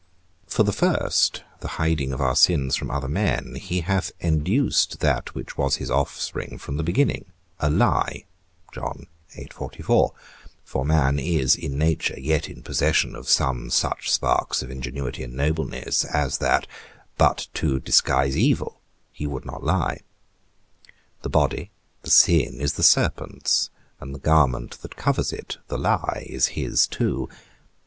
For the first, the hiding of our sins from other men, he hath induced that which was his offspring from the beginning, a lie; for man is, in nature, yet in possession of some such sparks of ingenuity and nobleness, as that, but to disguise evil, he would not lie. The body, the sin, is the serpent's; and the garment that covers it, the lie, is his too.